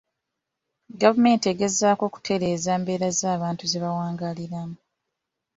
Gavumenti egezaako okutereeza embeera z'abantu ze bawangaaliramu.